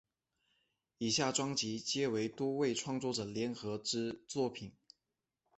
以下专辑皆为多位创作者联合之作品。